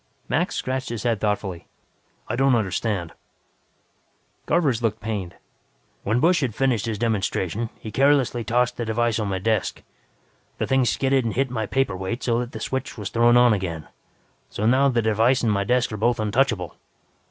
Max scratched his head thoughtfully. "I don't understand." Garvers looked pained. "When Busch had finished his demonstration, he carelessly tossed the device on my desk. The thing skidded and hit my paperweight so that the switch was thrown on again. So now the device and my desk are both untouchable.